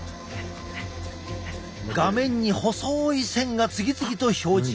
画面に細い線が次々と表示。